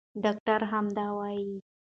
ډاکټره همدا وايي.